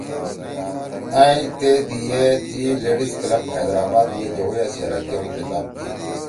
ائں تے دی ئے تی لیڈیز کلب حیدرآباد می جوَئیا سی یرک کے ہُم خطاب کی